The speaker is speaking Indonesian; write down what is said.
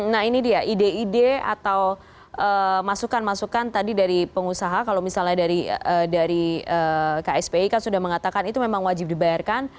nah ini dia ide ide atau masukan masukan tadi dari pengusaha kalau misalnya dari kspi kan sudah mengatakan itu memang wajib dibayarkan